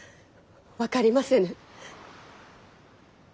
分かりませぬ。